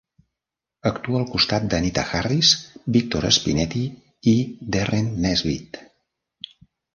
Actua al costat d'Anita Harris, Victor Spinetti i Derren Nesbitt.